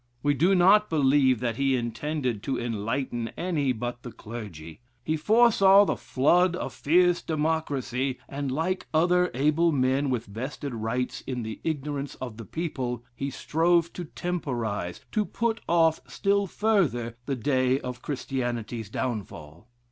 We do not believe that he intended to enlighten any but the clergy. He foresaw the "flood of fierce democracy," and, like other able men with vested rights in the ignorance of the people, he strove to temporize, to put off still further the day of Christianity's downfall.